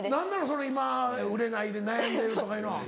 その今売れないで悩んでるとかいうのは。